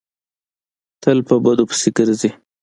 تل په بدو پسې ګرځي.